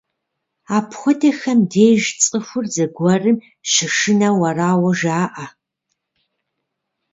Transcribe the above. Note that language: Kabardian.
Апхуэдэхэм деж цӀыхур зыгуэрым щышынэу арауэ жаӀэ.